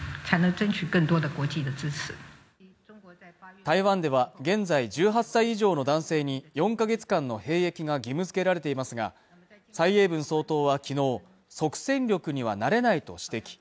台湾では現在１８歳以上の男性に４か月間の兵役が義務づけられていますが蔡英文総統はきのう即戦力にはなれないと指摘